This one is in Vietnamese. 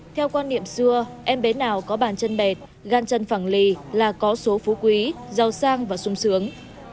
theo quan niệm xưa em bé nào có bàn chân bẹt gan chân phẳng lì là có số phú quý giàu sang và sung sướng